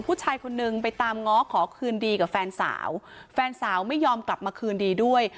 ผู้ชายคนนึงไปตามง้อขอคืนดีกับแฟนสาวแฟนสาวไม่ยอมกลับมาคืนดีด้วย